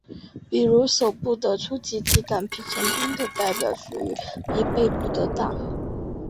比如手部在初级体感皮层中的代表区域比背部的大。